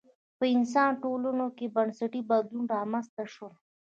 په انسان ټولنو کې بنسټي بدلونونه رامنځته شول